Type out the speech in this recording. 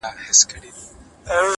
پرون مي غوښي د زړگي خوراك وې؛